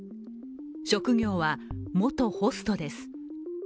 職業は、元ホストです。